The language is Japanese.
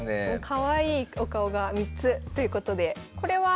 かわいいお顔が３つということでこれは。